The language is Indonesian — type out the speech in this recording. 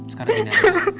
sekarang gini ya